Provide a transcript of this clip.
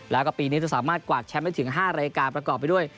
แล้วก็ปีนี้จะสามารถกวาดแชมป์ได้ถึง๕รายการประกอบไปด้วย